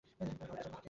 ধর বেজন্মা টাকে।